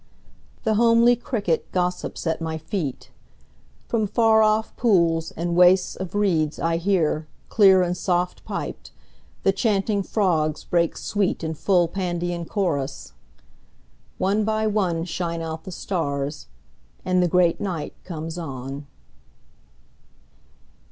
10The homely cricket gossips at my feet.11From far off pools and wastes of reeds I hear,12Clear and soft piped, the chanting frogs break sweet13In full Pandean chorus. One by one14Shine out the stars, and the great night comes on.